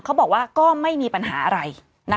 ก็ไม่มีปัญหาอะไร